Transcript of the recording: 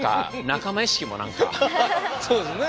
そうですね。